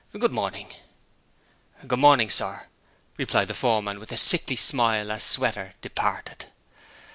'Good morning.' 'Good morning, sir,' replied the foreman with a sickly smile as Sweater departed.